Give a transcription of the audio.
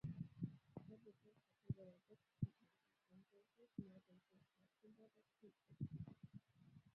该步枪还配备了接口系统以安装光学瞄准镜和空包弹助退器。